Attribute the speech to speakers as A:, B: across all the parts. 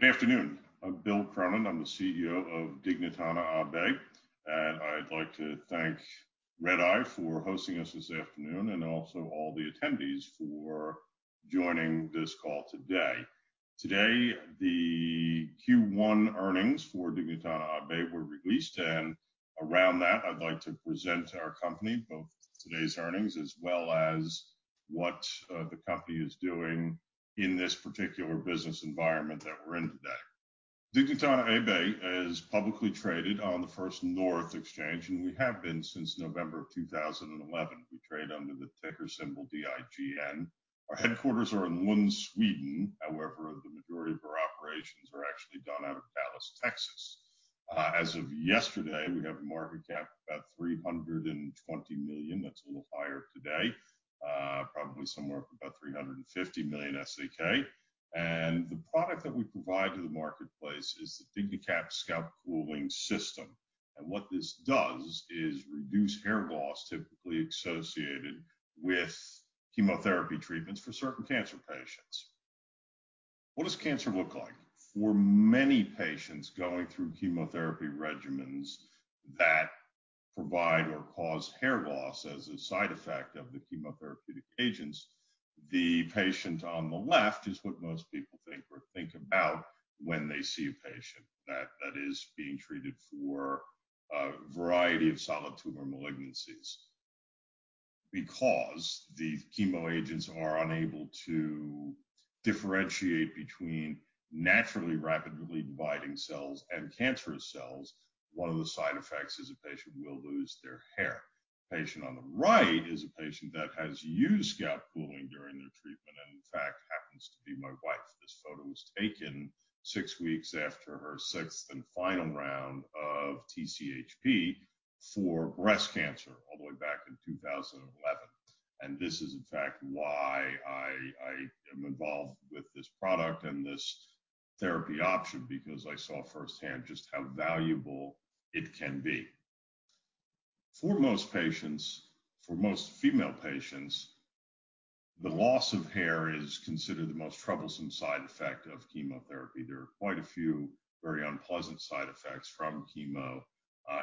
A: Good afternoon. I'm Bill Cronin. I'm the CEO of Dignitana AB. I'd like to thank Redeye for hosting us this afternoon, and also all the attendees for joining this call today. Today, the Q1 earnings for Dignitana AB were released, and around that, I'd like to present our company, both today's earnings as well as what the company is doing in this particular business environment that we're in today. Dignitana AB is publicly traded on the First North Exchange. We have been since November of 2011. We trade under the ticker symbol DIGN. Our headquarters are in Lund, Sweden. However, the majority of our operations are actually done out of Dallas, Texas. As of yesterday, we have a market cap of about 320 million SEK. That's a little higher today, probably somewhere up about 350 million SEK. The product that we provide to the marketplace is the DigniCap Scalp Cooling System. What this does is reduce hair loss typically associated with chemotherapy treatments for certain cancer patients. What does cancer look like? For many patients going through chemotherapy regimens that provide or cause hair loss as a side effect of the chemotherapeutic agents, the patient on the left is what most people think or think about when they see a patient that is being treated for a variety of solid tumor malignancies. Because the chemo agents are unable to differentiate between naturally rapidly dividing cells and cancerous cells, one of the side effects is a patient will lose their hair. The patient on the right is a patient that has used scalp cooling during their treatment, and in fact, happens to be my wife. This photo was taken six weeks after her sixth and final round of TCHP for breast cancer all the way back in 2011. This is in fact why I am involved with this product and this therapy option, because I saw firsthand just how valuable it can be. For most patients, for most female patients, the loss of hair is considered the most troublesome side effect of chemotherapy. There are quite a few very unpleasant side effects from chemo,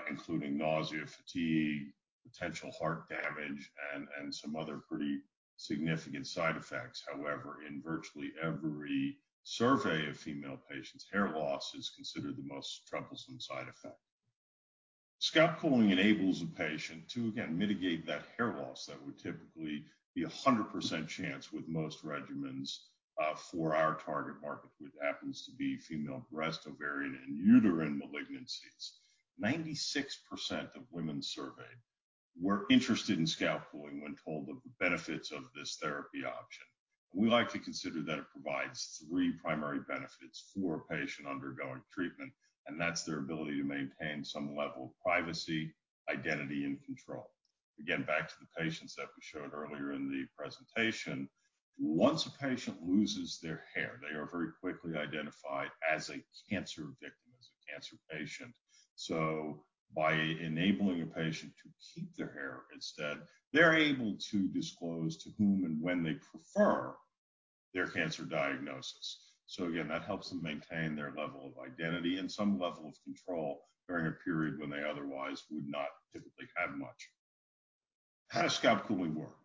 A: including nausea, fatigue, potential heart damage, and some other pretty significant side effects. However, in virtually every survey of female patients, hair loss is considered the most troublesome side effect. Scalp cooling enables a patient to, again, mitigate that hair loss that would typically be 100% chance with most regimens for our target market, which happens to be female breast, ovarian, and uterine malignancies. 96% of women surveyed were interested in scalp cooling when told of the benefits of this therapy option. That's their ability to maintain some level of privacy, identity, and control. Back to the patients that we showed earlier in the presentation. Once a patient loses their hair, they are very quickly identified as a cancer victim, as a cancer patient. By enabling a patient to keep their hair instead, they're able to disclose to whom and when they prefer their cancer diagnosis. Again, that helps them maintain their level of identity and some level of control during a period when they otherwise would not typically have much. How does scalp cooling work?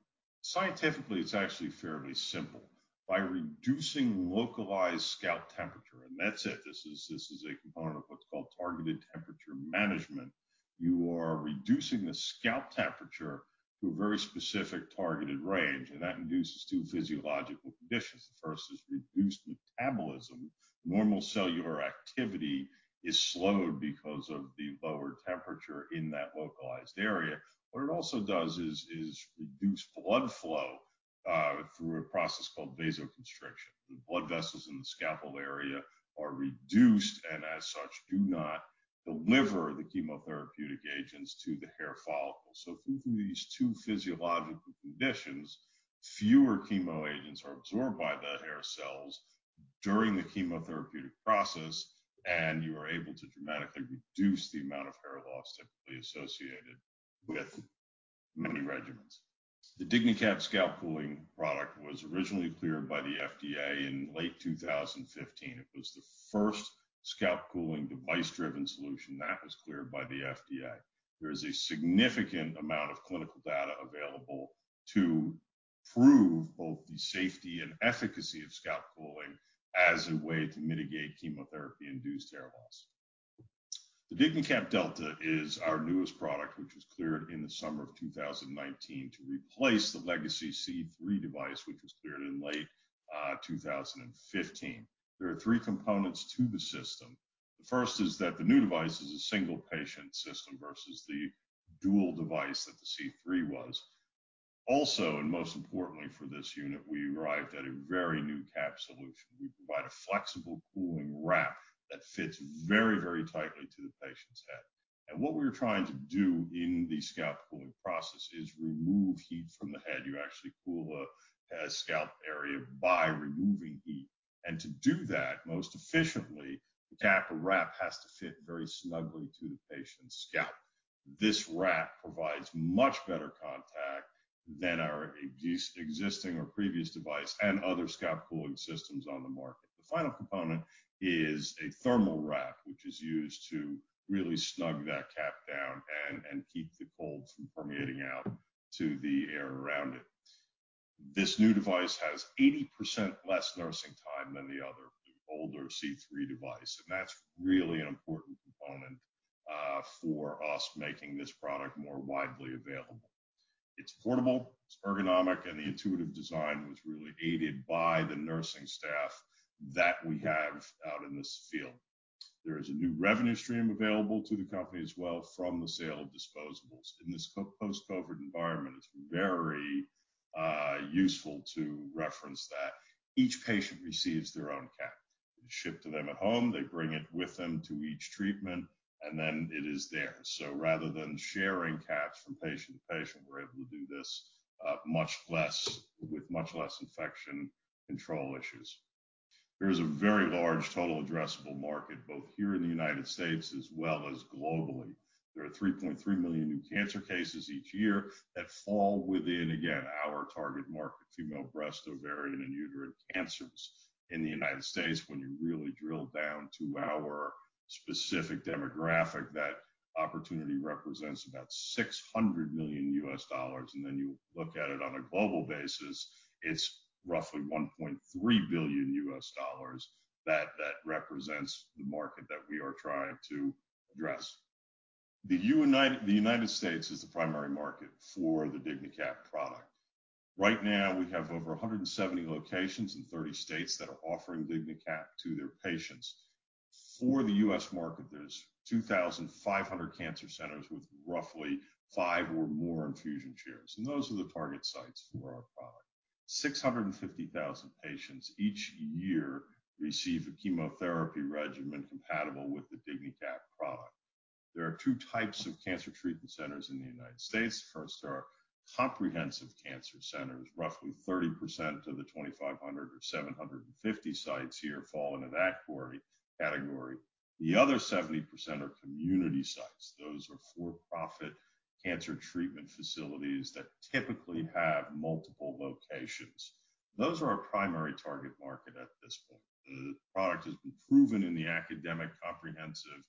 A: Scientifically, it's actually fairly simple. By reducing localized scalp temperature, that's it. This is a component of what's called targeted temperature management. You are reducing the scalp temperature to a very specific targeted range. That induces two physiological conditions. The first is reduced metabolism. Normal cellular activity is slowed because of the lower temperature in that localized area. What it also does is reduce blood flow through a process called vasoconstriction. The blood vessels in the scalp area are reduced. As such, do not deliver the chemotherapeutic agents to the hair follicle. Through these two physiological conditions, fewer chemo agents are absorbed by the hair cells during the chemotherapeutic process. You are able to dramatically reduce the amount of hair loss typically associated with many regimens. The DigniCap scalp cooling product was originally cleared by the FDA in late 2015. It was the first scalp cooling device-driven solution that was cleared by the FDA. There is a significant amount of clinical data available to prove both the safety and efficacy of scalp cooling as a way to mitigate chemotherapy-induced hair loss. The DigniCap Delta is our newest product, which was cleared in the summer of 2019 to replace the Legacy C3 device, which was cleared in late 2015. There are three components to the system. The first is that the new device is a single-patient system versus the dual device that the C3 was. Also, and most importantly for this unit, we arrived at a very new cap solution. We provide a flexible cooling wrap that fits very tightly to the patient's head. What we are trying to do in the scalp cooling process is remove heat from the head. You actually cool a scalp area by removing heat. To do that most efficiently, the cap or wrap has to fit very snugly to the patient's scalp. This wrap provides much better contact than our existing or previous device and other scalp cooling systems on the market. The final component is a thermal wrap, which is used to really snug that cap down and keep the cold from permeating out to the air around it. This new device has 80% less nursing time than the other older C3 device, and that's really an important component for us making this product more widely available. It's portable, it's ergonomic, and the intuitive design was really aided by the nursing staff that we have out in this field. There is a new revenue stream available to the company as well from the sale of disposables. In this post-COVID environment, it's very useful to reference that each patient receives their own cap. It's shipped to them at home, they bring it with them to each treatment, and then it is theirs. Rather than sharing caps from patient to patient, we're able to do this with much less infection control issues. There is a very large total addressable market, both here in the U.S. as well as globally. There are 3.3 million new cancer cases each year that fall within, again, our target market, female breast, ovarian, and uterine cancers. In the U.S., when you really drill down to our specific demographic, that opportunity represents about $600 million U.S. You look at it on a global basis, it's roughly $1.3 billion U.S. that represents the market that we are trying to address. The U.S. is the primary market for the DigniCap product. Right now, we have over 170 locations in 30 states that are offering DigniCap to their patients. For the U.S. market, there's 2,500 cancer centers with roughly five or more infusion chairs, and those are the target sites for our product. 650,000 patients each year receive a chemotherapy regimen compatible with the DigniCap product. There are two types of cancer treatment centers in the United States. First are comprehensive cancer centers. Roughly 30% of the 2,500, or 750 sites here, fall into that category. The other 70% are community sites. Those are for-profit cancer treatment facilities that typically have multiple locations. Those are our primary target market at this point. The product has been proven in the academic comprehensive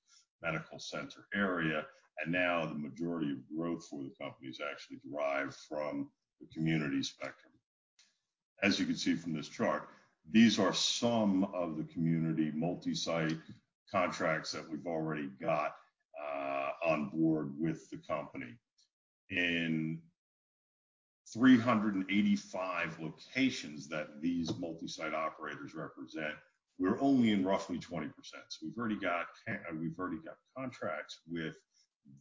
A: medical center area, and now the majority of growth for the company is actually derived from the community spectrum. As you can see from this chart, these are some of the community multi-site contracts that we've already got on board with the company. In 385 locations that these multi-site operators represent, we're only in roughly 20%. We've already got contracts with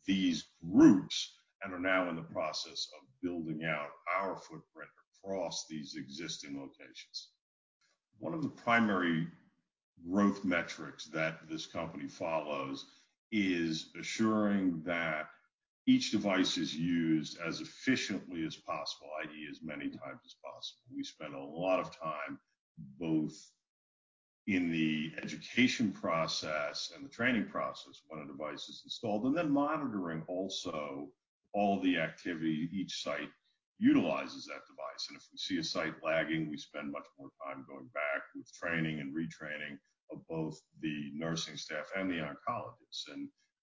A: these groups and are now in the process of building out our footprint across these existing locations. One of the primary growth metrics that this company follows is assuring that each device is used as efficiently as possible, i.e., as many times as possible. We spend a lot of time both in the education process and the training process when a device is installed, and then monitoring also all the activity each site utilizes that device. If we see a site lagging, we spend much more time going back with training and retraining of both the nursing staff and the oncologists.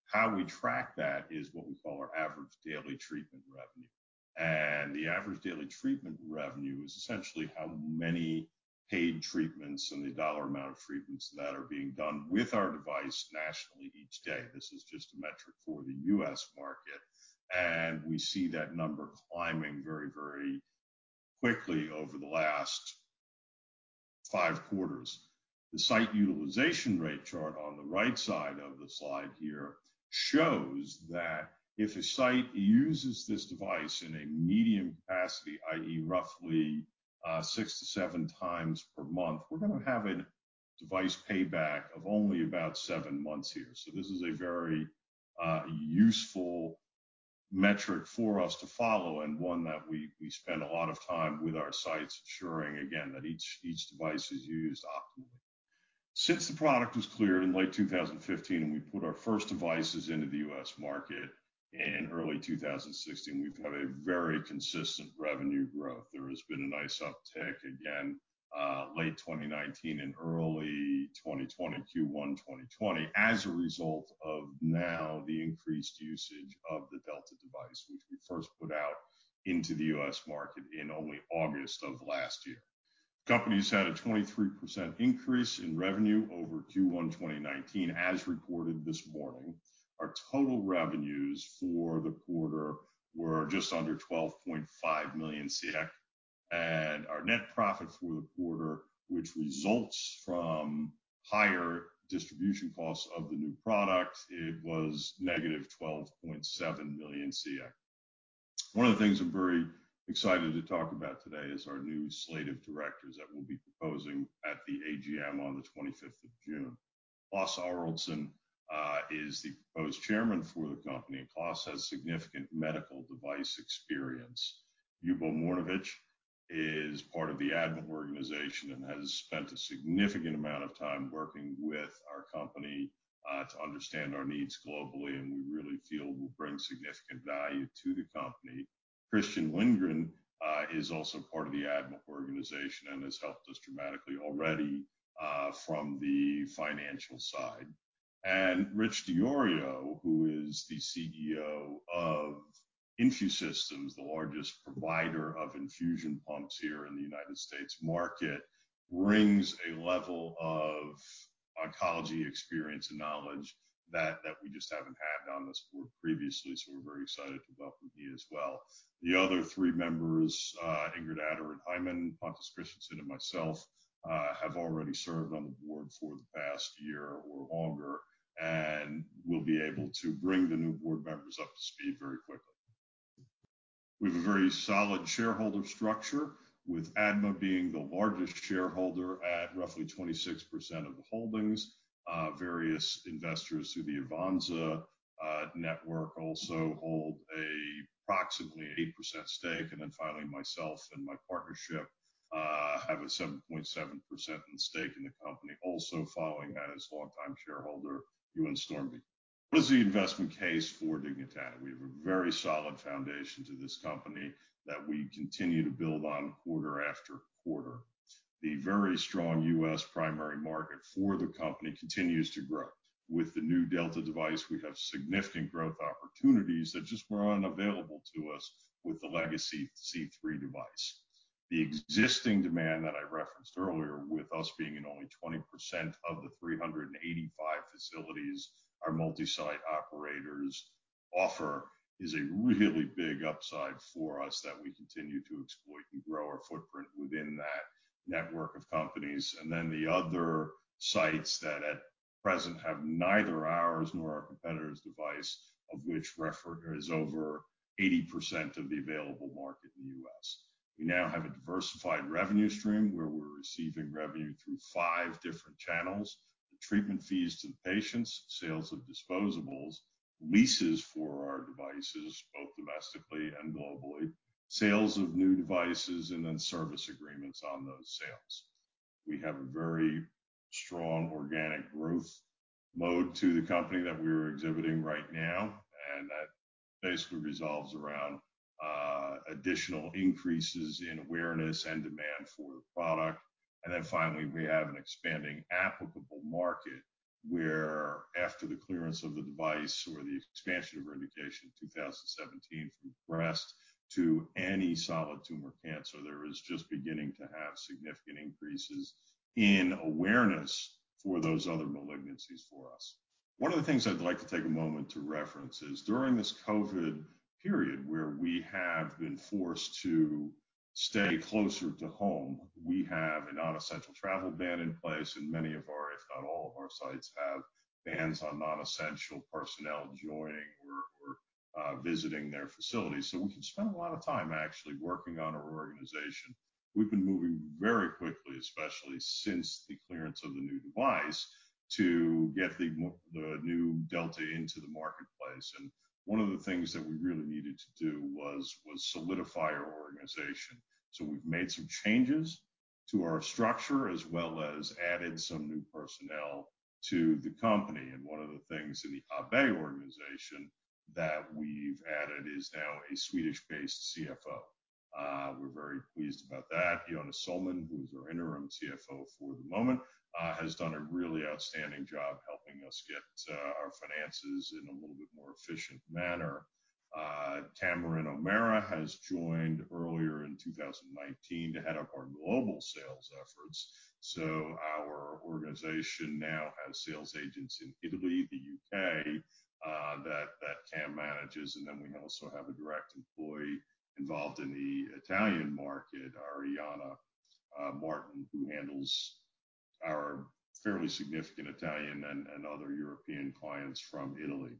A: How we track that is what we call our Average Daily Treatment Revenue. The Average Daily Treatment Revenue is essentially how many paid treatments and the dollar amount of treatments that are being done with our device nationally each day. This is just a metric for the U.S. market. We see that number climbing very quickly over the last five quarters. The site utilization rate chart on the right side of the slide here shows that if a site uses this device in a medium capacity, i.e., roughly six to seven times per month, we're going to have a device payback of only about seven months here. This is a very useful metric for us to follow and one that we spend a lot of time with our sites ensuring, again, that each device is used optimally. Since the product was cleared in late 2015 and we put our first devices into the U.S. market in early 2016, we've had a very consistent revenue growth. There has been a nice uptick again late 2019 and early 2020, Q1 2020, as a result of now the increased usage of the Delta device, which we first put out into the U.S. market in only August of last year. Company's had a 23% increase in revenue over Q1 2019, as reported this morning. Our total revenues for the quarter were just under 12.5 million, and our net profit for the quarter, which results from higher distribution costs of the new product, it was negative 12.7 million. One of the things I'm very excited to talk about today is our new slate of directors that we'll be proposing at the AGM on the 25th of June. Klas Arildsson is the proposed chairman for the company, Klas has significant medical device experience. Ljubo Mrnjavac is part of the ADMA organization and has spent a significant amount of time working with our company to understand our needs globally, we really feel will bring significant value to the company. Christian Lindgren is also part of the ADMA organization and has helped us dramatically already from the financial side. Rich DiIorio, who is the CEO of InfuSystem, the largest provider of infusion pumps here in the U.S. market, brings a level of oncology experience and knowledge that we just haven't had on this board previously. We're very excited to welcome he as well. The other three members, Ingrid Atteryd Heiman, Pontus Kristiansson, and myself, have already served on the board for the past year or longer and will be able to bring the new board members up to speed very quickly. We have a very solid shareholder structure, with ADMA being the largest shareholder at roughly 26% of the holdings. Various investors through the Avanza network also hold approximately an 8% stake. Finally, myself and my partnership have a 7.7% stake in the company. Also following that is longtime shareholder Jon Stormby. What is the investment case for Dignitana? We have a very solid foundation to this company that we continue to build on quarter after quarter. The very strong U.S. primary market for the company continues to grow. With the new Delta device, we have significant growth opportunities that just were unavailable to us with the legacy C3 device. The existing demand that I referenced earlier with us being in only 20% of the 385 facilities our multi-site operators offer is a really big upside for us that we continue to exploit and grow our footprint within that network of companies. The other sites that at present have neither ours nor our competitor's device, of which there is over 80% of the available market in the U.S. We now have a diversified revenue stream where we're receiving revenue through five different channels. The treatment fees to the patients, sales of disposables, leases for our devices, both domestically and globally, sales of new devices, and then service agreements on those sales. We have a very strong organic growth mode to the company that we are exhibiting right now, and that basically resolves around additional increases in awareness and demand for the product. Finally, we have an expanding applicable market where after the clearance of the device or the expansion of our indication in 2017 from breast to any solid tumor cancer, there is just beginning to have significant increases in awareness for those other malignancies for us. One of the things I'd like to take a moment to reference is during this COVID period where we have been forced to stay closer to home, we have a non-essential travel ban in place, and many of our, if not all of our sites, have bans on non-essential personnel joining or visiting their facilities. We can spend a lot of time actually working on our organization. We've been moving very quickly, especially since the clearance of the new device, to get the new Delta into the marketplace. One of the things that we really needed to do was solidify our organization. We've made some changes to our structure as well as added some new personnel to the company. One of the things in the AB organization that we've added is now a Swedish-based CFO. We're very pleased about that. Jonas Sohlman, who's our interim CFO for the moment, has done a really outstanding job helping us get our finances in a little bit more efficient manner. Cameron O'Mara has joined earlier in 2019 to head up our global sales efforts. Our organization now has sales agents in Italy, the U.K., that Cam manages, and then we also have a direct employee involved in the Italian market, Arianna Martin, who handles our fairly significant Italian and other European clients from Italy.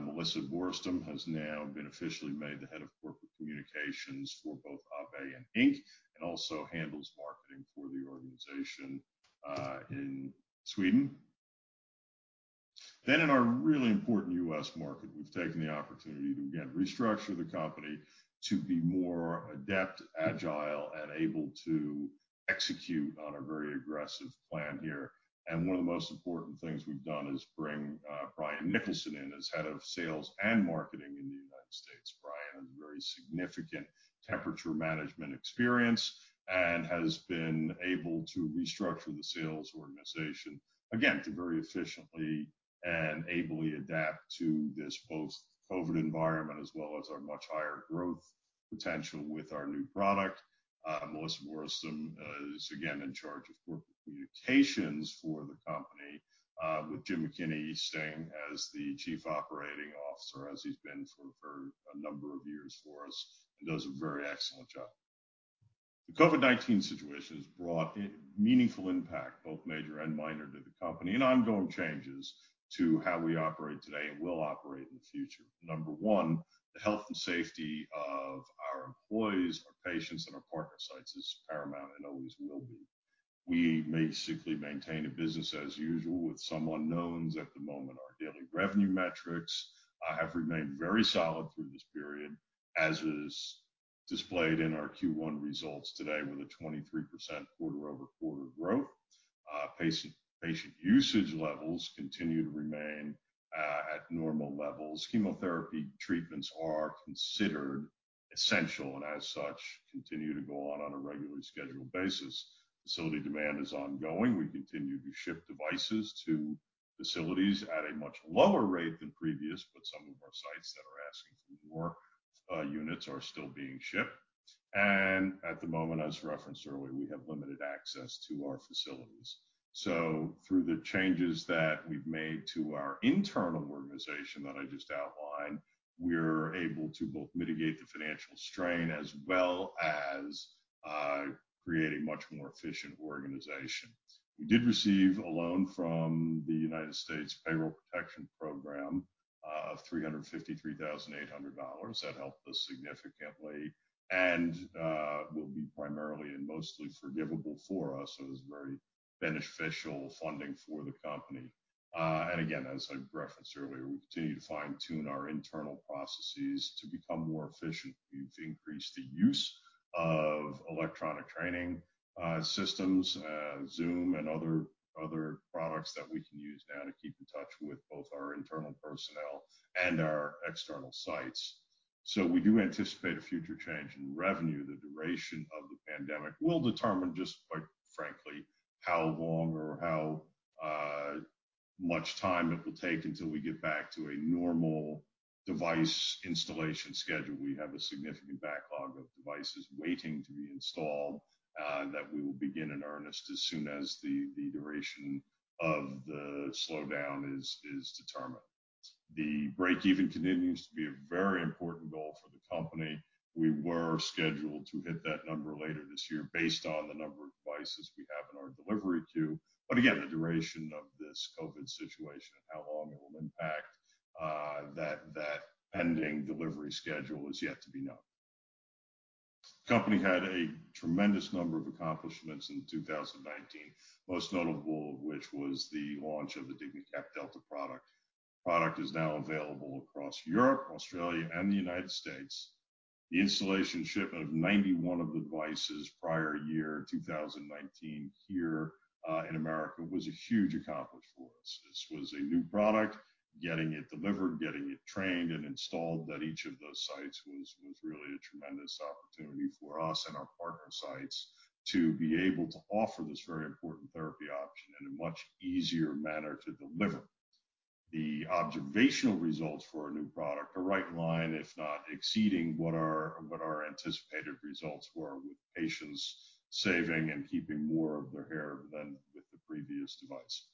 A: Melissa Bourestom has now been officially made the head of corporate communications for both Dignitana AB and Inc. and also handles marketing for the organization in Sweden. In our really important U.S. market, we've taken the opportunity to again restructure the company to be more adept, agile, and able to execute on a very aggressive plan here. One of the most important things we've done is bring Brian Nicholson in as head of sales and marketing in the United States. Brian has very significant temperature management experience and has been able to restructure the sales organization, again, to very efficiently and ably adapt to this post-COVID environment as well as our much higher growth potential with our new product. Melissa Bourestom is again in charge of corporate communications for the company, with Jim McKinney staying as the Chief Operating Officer as he's been for a number of years for us and does a very excellent job. The COVID-19 situation has brought a meaningful impact, both major and minor, to the company and ongoing changes to how we operate today and will operate in the future. Number one, the health and safety of our employees, our patients, and our partner sites is paramount and always will be. We may simply maintain a business as usual with some unknowns at the moment. Our daily revenue metrics have remained very solid through this period, as is displayed in our Q1 results today with a 23% quarter-over-quarter growth. Patient usage levels continue to remain at normal levels. Chemotherapy treatments are considered essential, and as such, continue to go on on a regularly scheduled basis. Facility demand is ongoing. We continue to ship devices to facilities at a much lower rate than previous, but some of our sites that are asking for more units are still being shipped. At the moment, as referenced earlier, we have limited access to our facilities. Through the changes that we've made to our internal organization that I just outlined, we're able to both mitigate the financial strain as well as create a much more efficient organization. We did receive a loan from the U.S. Paycheck Protection Program of $353,800. That helped us significantly and will be primarily and mostly forgivable for us. It was very beneficial funding for the company. Again, as I referenced earlier, we continue to fine-tune our internal processes to become more efficient. We've increased the use of electronic training systems, Zoom, and other products that we can use now to keep in touch with both our internal personnel and our external sites. We do anticipate a future change in revenue. The duration of the pandemic will determine just quite frankly, how long or how much time it will take until we get back to a normal device installation schedule. We have a significant backlog of devices waiting to be installed that we will begin in earnest as soon as the duration of the slowdown is determined. The break-even continues to be a very important goal for the company. We were scheduled to hit that number later this year based on the number of devices we have in our delivery queue. Again, the duration of this COVID situation and how long it will impact that pending delivery schedule is yet to be known. The company had a tremendous number of accomplishments in 2019, most notable of which was the launch of the DigniCap Delta product. The product is now available across Europe, Australia, and the United States. The installation ship of 91 of the devices prior year 2019 here in the U.S. was a huge accomplishment for us. This was a new product, getting it delivered, getting it trained and installed at each of those sites was really a tremendous opportunity for us and our partner sites to be able to offer this very important therapy option in a much easier manner to deliver. The observational results for our new product are right in line, if not exceeding what our anticipated results were with patients saving and keeping more of their hair than with the previous device.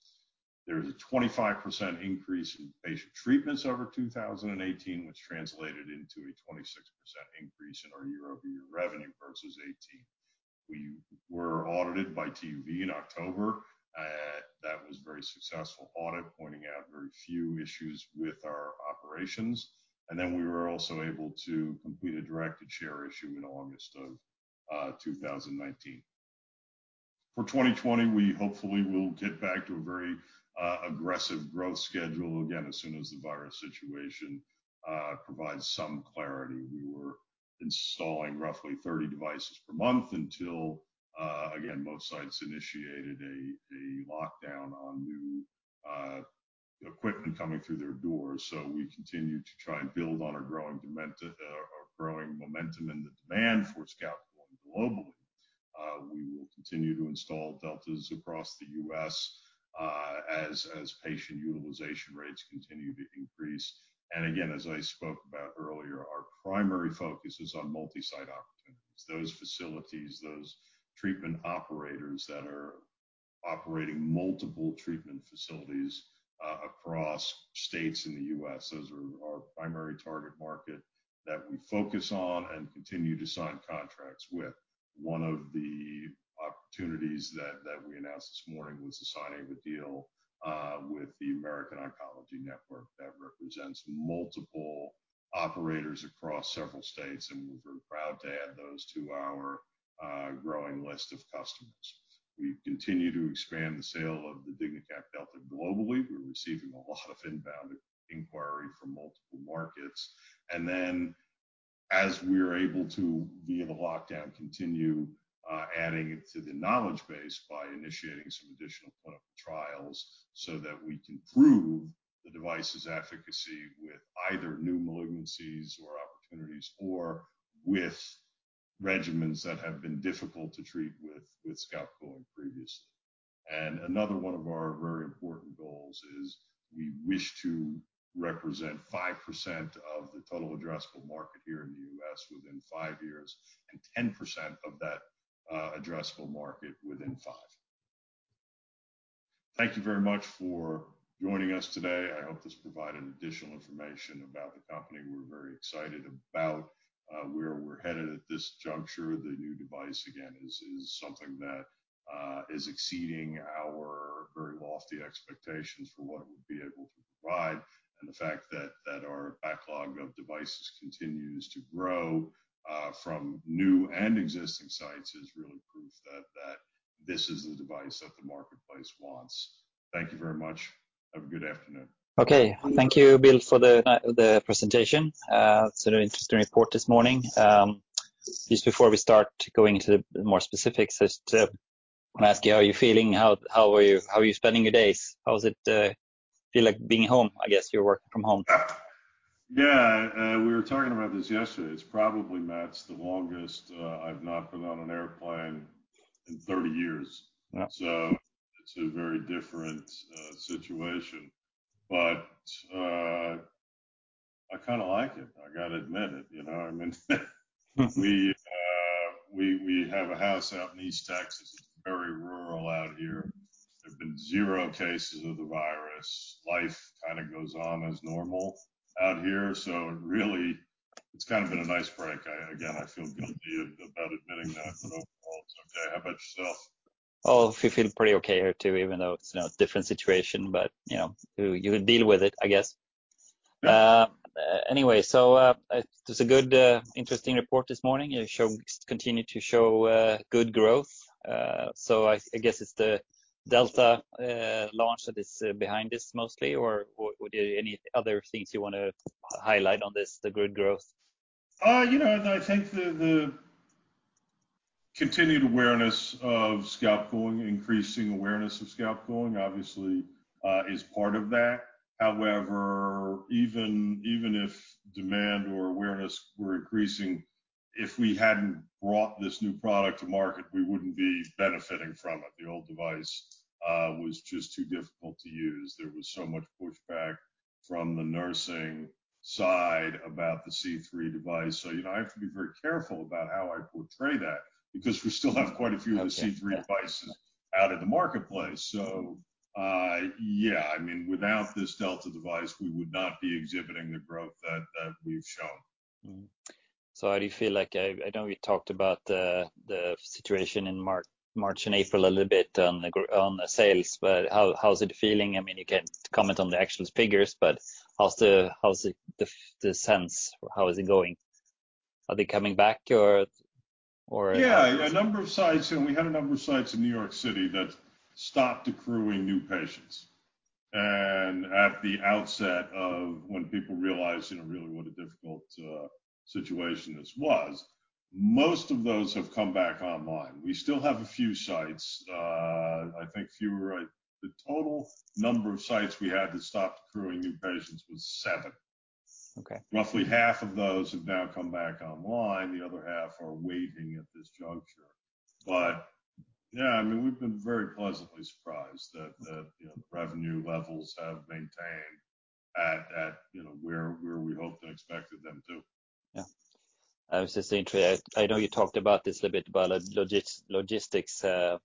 A: There is a 25% increase in patient treatments over 2018, which translated into a 26% increase in our year-over-year revenue versus 2018. We were audited by TÜV in October. That was a very successful audit, pointing out very few issues with our operations. We were also able to complete a directed share issue in August of 2019. 2020, we hopefully will get back to a very aggressive growth schedule again as soon as the virus situation provides some clarity. We were installing roughly 30 devices per month until, again, both sites initiated a lockdown on new equipment coming through their doors. We continue to try and build on our growing momentum and the demand for scalp cooling globally. We will continue to install Deltas across the U.S. as patient utilization rates continue to increase. Again, as I spoke about earlier, our primary focus is on multi-site opportunities. Those facilities, those treatment operators that are operating multiple treatment facilities across states in the U.S., those are our primary target market that we focus on and continue to sign contracts with. One of the opportunities that we announced this morning was the signing of a deal with the American Oncology Network that represents multiple operators across several states, and we're very proud to add those to our growing list of customers. We continue to expand the sale of the DigniCap Delta globally. We're receiving a lot of inbound inquiry from multiple markets. As we're able to, via the lockdown, continue adding to the knowledge base by initiating some additional clinical trials so that we can prove the device's efficacy with either new malignancies or opportunities, or with regimens that have been difficult to treat with scalp cooling previously. Another one of our very important goals is we wish to represent 5% of the total addressable market here in the U.S. within five years and 10% of that addressable market within five. Thank you very much for joining us today. I hope this provided additional information about the company. We're very excited about where we're headed at this juncture. The new device, again, is something that is exceeding our very lofty expectations for what it would be able to provide. The fact that our backlog of devices continues to grow from new and existing sites is really proof that this is the device that the marketplace wants. Thank you very much. Have a good afternoon.
B: Okay. Thank you, Bill, for the presentation. It's an interesting report this morning. Just before we start going into the more specifics, I just want to ask you, how are you feeling? How are you spending your days? How's it feel like being home? I guess you're working from home.
A: Yeah. We were talking about this yesterday. It's probably, Mats, the longest I've not been on an airplane in 30 years.
B: Wow.
A: It's a very different situation, but I kind of like it, I got to admit it. We have a house out in East Texas. It's very rural out here. There have been zero cases of the virus. Life kind of goes on as normal out here. Really, it's kind of been a nice break. Again, I feel guilty about admitting that, but overall, it's okay. How about yourself?
B: Feeling pretty okay here, too, even though it's in a different situation. You deal with it, I guess. Anyway, it's a good, interesting report this morning. You continue to show good growth. I guess it's the Delta launch that is behind this mostly, or were there any other things you want to highlight on this, the good growth?
A: I think the continued awareness of scalp cooling, increasing awareness of scalp cooling, obviously, is part of that. Even if demand or awareness were increasing, if we hadn't brought this new product to market, we wouldn't be benefiting from it. The old device was just too difficult to use. There was so much pushback from the nursing side about the C3 device. I have to be very careful about how I portray that because we still have quite a few.
B: Okay. Yeah
A: of the C3 devices out in the marketplace. Yeah, without this Delta device, we would not be exhibiting the growth that we've shown.
B: How do you feel like I know we talked about the situation in March and April a little bit on the sales, but how's it feeling? You can't comment on the actual figures, but how's the sense? How is it going? Are they coming back or?
A: Yeah. We had a number of sites in New York City that stopped accruing new patients. At the outset of when people realized really what a difficult situation this was, most of those have come back online. We still have a few sites. The total number of sites we had that stopped accruing new patients was seven.
B: Okay.
A: Roughly half of those have now come back online. The other half are waiting at this juncture. Yeah, we've been very pleasantly surprised that revenue levels have maintained at where we hoped and expected them to.
B: Yeah. I was just intrigued. I know you talked about this a little bit, about logistics, how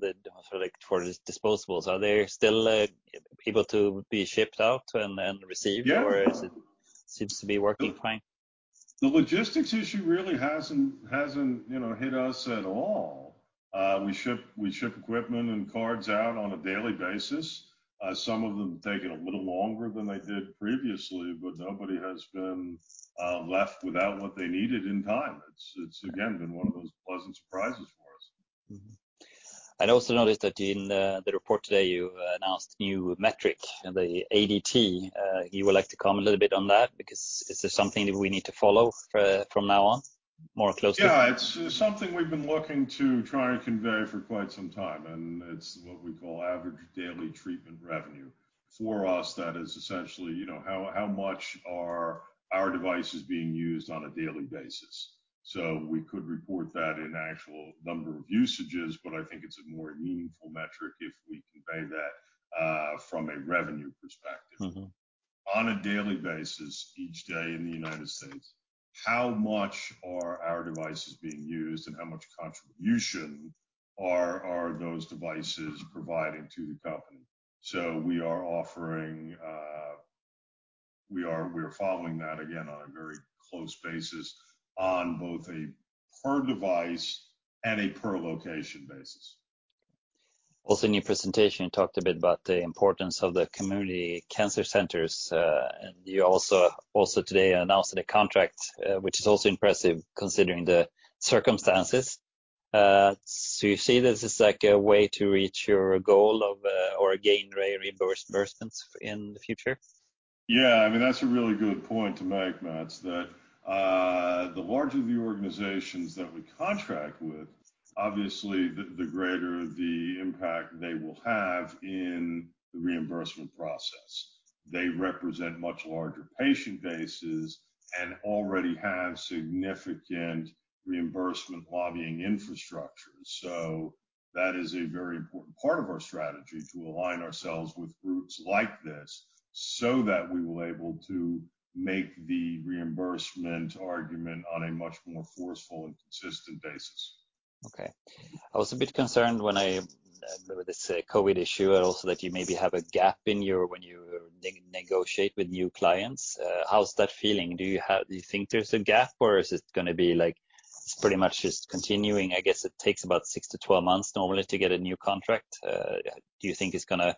B: the demand for disposables. Are they still able to be shipped out and received?
A: Yeah.
B: is it Seems to be working fine?
A: The logistics issue really hasn't hit us at all. We ship equipment and cards out on a daily basis. Some of them taking a little longer than they did previously, but nobody has been left without what they needed in time. It's, again, been one of those pleasant surprises for us.
B: I'd also noticed that in the report today, you announced a new metric, the ADTR. You would like to comment a little bit on that, because is this something that we need to follow from now on more closely?
A: Yeah. It's something we've been looking to try and convey for quite some time, it's what we call Average Daily Treatment Revenue. For us, that is essentially how much are our devices being used on a daily basis. We could report that in actual number of usages, I think it's a more meaningful metric if we convey that from a revenue perspective. On a daily basis, each day in the U.S., how much are our devices being used and how much contribution are those devices providing to the company? We are following that, again, on a very close basis on both a per device and a per location basis.
B: In your presentation, you talked a bit about the importance of the community cancer centers. You also today announced a contract, which is also impressive considering the circumstances. You see this as like a way to reach your goal of or gain reimbursement in the future?
A: That's a really good point to make, Mats, that the larger the organizations that we contract with, obviously, the greater the impact they will have in the reimbursement process. They represent much larger patient bases and already have significant reimbursement lobbying infrastructure. That is a very important part of our strategy, to align ourselves with groups like this so that we will able to make the reimbursement argument on a much more forceful and consistent basis.
B: Okay. I was a bit concerned when I read about this COVID issue, and also that you maybe have a gap when you negotiate with new clients. How's that feeling? Do you think there's a gap, or is it going to be like it's pretty much just continuing? I guess it takes about six-12 months normally to get a new contract. Do you think it's going to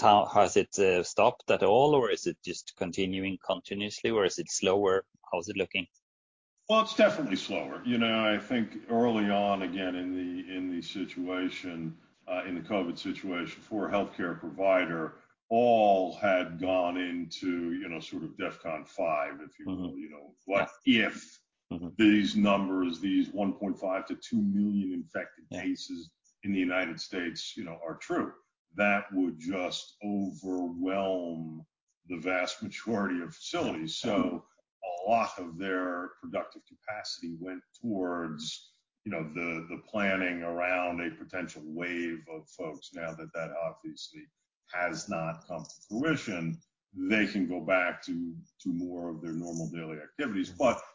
B: Has it stopped at all, or is it just continuing continuously, or is it slower? How is it looking?
A: Well, it's definitely slower. I think early on, again, in the COVID situation, for a healthcare provider, all had gone into sort of DEFCON 5, if you will. What if these numbers, these 1.5 to two million infected cases in the U.S. are true? That would just overwhelm the vast majority of facilities. A lot of their productive capacity went towards the planning around a potential wave of folks. Now that that obviously has not come to fruition, they can go back to more of their normal daily activities.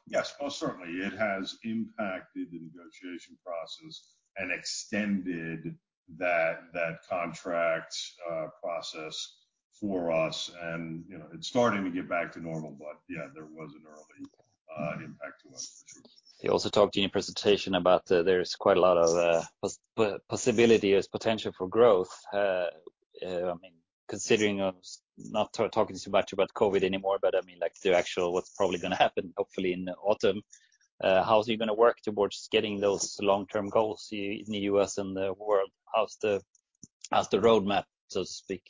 A: Yes, most certainly, it has impacted the negotiation process and extended that contract process for us. It's starting to get back to normal. Yeah, there was an early impact to us, for sure.
B: You also talked in your presentation about there's quite a lot of possibility, there's potential for growth. Considering not talking so much about COVID anymore, but the actual what's probably going to happen, hopefully, in the autumn. How is it going to work towards getting those long-term goals in the U.S. and the world? How's the road map, so to speak?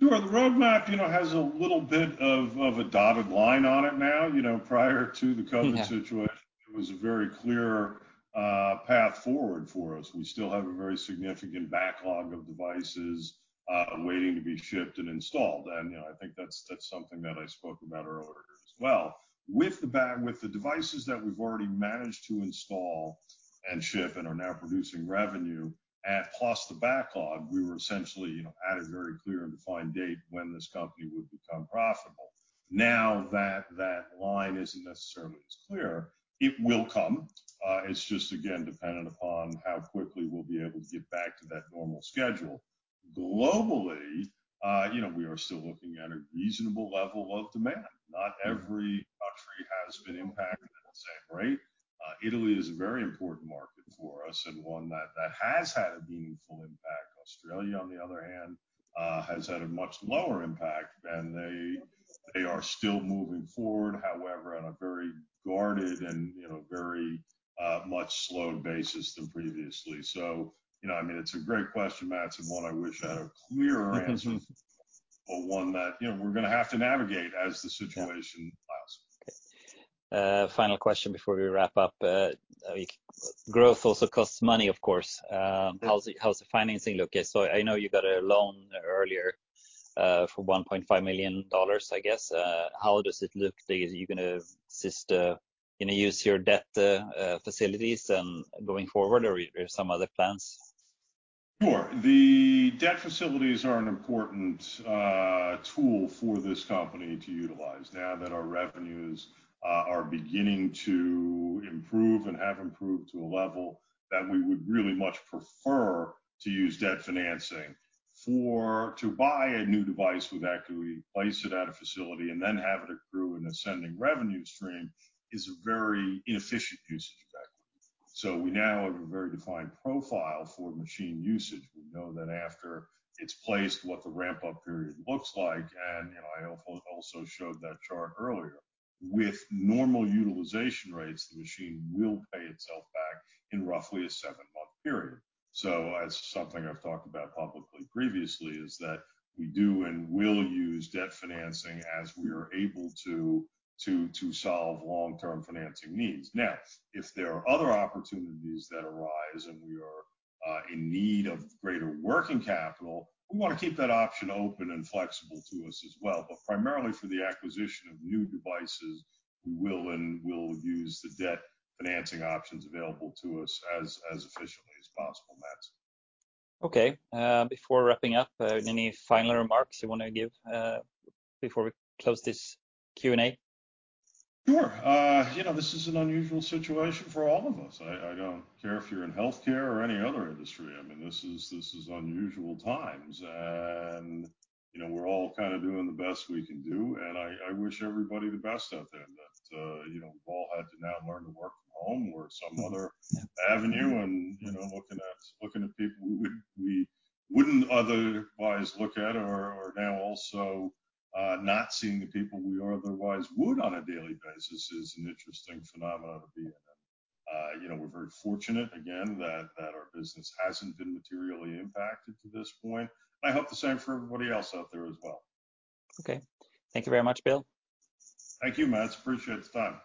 A: Sure. The road map has a little bit of a dotted line on it now. Prior to the COVID situation.
B: Yeah
A: It was a very clear path forward for us. We still have a very significant backlog of devices waiting to be shipped and installed. I think that's something that I spoke about earlier as well. With the devices that we've already managed to install and ship and are now producing revenue, plus the backlog, we were essentially at a very clear and defined date when this company would become profitable. That that line isn't necessarily as clear, it will come. It's just, again, dependent upon how quickly we'll be able to get back to that normal schedule. Globally, we are still looking at a reasonable level of demand. Not every country has been impacted at the same rate. Italy is a very important market for us and one that has had a meaningful impact. Australia, on the other hand, has had a much lower impact, and they are still moving forward, however, on a very guarded and very much slowed basis than previously. It's a great question, Mats, and one I wish I had a clearer answer for. One that we're going to have to navigate as the situation allows.
B: Okay. Final question before we wrap up. Growth also costs money, of course.
A: Yes.
B: How's the financing looking? I know you got a loan earlier for $1.5 million, I guess. How does it look? Are you going to use your debt facilities going forward, or are there some other plans?
A: Sure. The debt facilities are an important tool for this company to utilize. Now that our revenues are beginning to improve and have improved to a level that we would really much prefer to use debt financing. To buy a new device with Accuo, place it at a facility, and then have it accrue an ascending revenue stream is a very inefficient use of Accuo. We now have a very defined profile for machine usage. We know that after it's placed, what the ramp-up period looks like, and I also showed that chart earlier. With normal utilization rates, the machine will pay itself back in roughly a seven-month period. As something I've talked about publicly previously, is that we do and will use debt financing as we are able to solve long-term financing needs. If there are other opportunities that arise and we are in need of greater working capital, we want to keep that option open and flexible to us as well. Primarily for the acquisition of new devices, we will use the debt financing options available to us as efficiently as possible, Mats.
B: Okay. Before wrapping up, any final remarks you want to give before we close this Q&A?
A: Sure. This is an unusual situation for all of us. I don't care if you're in healthcare or any other industry. This is unusual times, and we're all kind of doing the best we can do, and I wish everybody the best out there. We've all had to now learn to work from home or some other avenue, and looking at people we wouldn't otherwise look at, or now also not seeing the people we otherwise would on a daily basis is an interesting phenomenon to be in. We're very fortunate, again, that our business hasn't been materially impacted to this point. I hope the same for everybody else out there as well.
B: Okay. Thank you very much, Bill.
A: Thank you, Mats. I appreciate the time.